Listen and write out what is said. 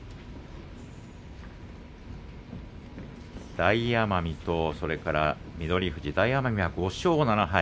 大奄美とそれから翠富士大奄美は５勝７敗。